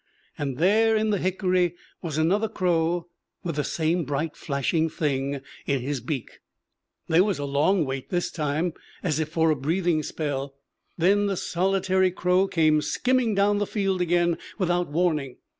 And there in the hickory was another crow with the same bright, flashing thing in his beak. There was a long wait this time, as if for a breathing spell. Then the solitary crow came skimming down the field again without warning.